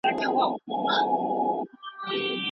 سياسي بنديان د استبدادي حکومتونو لخوا ځورول کېږي.